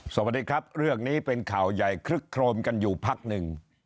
สวัสดีครับเรื่องนี้เป็นข่าวใหญ่คลึกโครมกันอยู่พักหนึ่ง